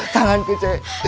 tangan ku si